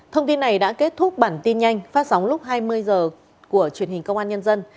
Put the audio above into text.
thông tin này đã kết thúc bản tin nhanh phát sóng lúc hai mươi h của truyền hình công an nhân dân